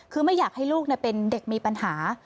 คือไม่อยากให้ลูกเป็นเด็กมีปัญหา